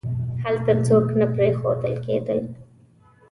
هلته څوک نه پریښودل کېدل.